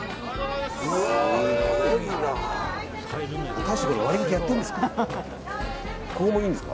果たしてこれ割引きやってるんですか。